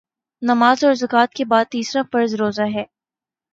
نماز اور زکوٰۃ کے بعدتیسرا فرض روزہ ہے